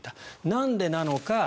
なんでなのか。